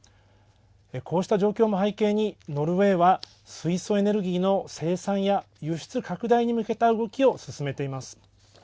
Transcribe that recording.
こうした状況も背景にノルウェーは水素エネルギーの生産や輸出拡大に向けた動きを進めています。